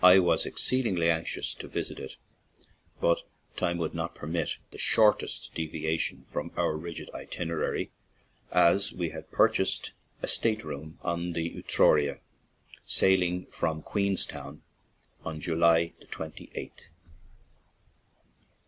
I was exceedingly anxious to visit it, but time would not permit the shortest deviation from our rigid itinera^, 12 LONDONDERRY TO PORT SALON as we had purchased a state room on the Etruria, sailing from Queenstown on July 28th.